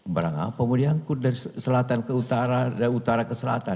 barang apa mau diangkut dari selatan ke utara dari utara ke selatan